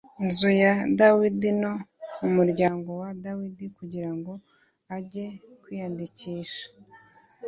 nzu ya dawidi no mu muryango wa dawidi kugira ngo ajye kwiyandikishanya